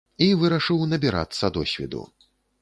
І вырашыў набірацца досведу.